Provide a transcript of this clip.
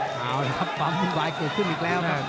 พอทำดูตัวแบบไหวเข้าขึ้นอีกแล้วครับ